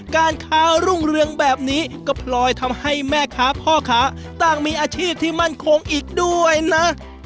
การค้ารุ่งเรืองแบบนี้ก็พลอยทำให้แม่ค้าพ่อค้าต่างมีอาชีพที่มั่นคงอีกด้วยนะ